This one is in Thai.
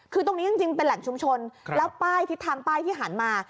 คือตรงนี้จริงเป็นแหล่งชุมชนแล้วป้ายทิศทางป้ายที่หันมา